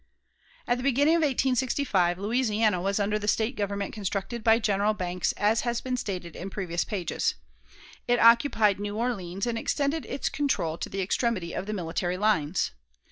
At the beginning of 1865 Louisiana was under the State government constructed by General Banks, as has been stated in previous pages. It occupied New Orleans, and extended its control to the extremity of the military lines.